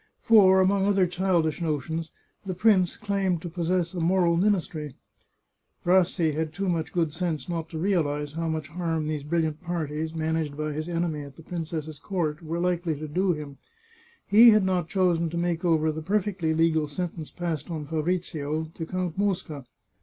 For, among other childish notions, the prin, CQ, claimed to possess.a.raoxal .ministry. 446 The Chartreuse of Parma Rassi had too much good sense not to realize how much harm these brilliant parties, managed by his enemy at the princess's court, were likely to do him. He had not chosen to make over the perfectly legal sentence passed on Fabrizio, to Count Mosca.